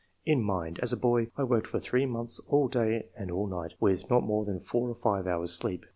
In mind — As a boy, I worked for three months all day and all night, with not more than four or five hours' sleep.